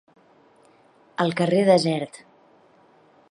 El carrer desert.